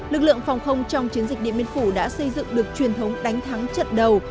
lực lượng phòng không trong chiến dịch điện biên phủ đã xây dựng được truyền thống đánh thắng trận đầu